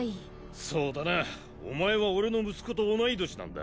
そうだなお前は俺の息子と同い年なんだ